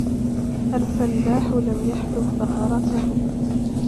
الفَلَّاحُ لَمْ يَحْلُبْ بَقَرَتَهُ.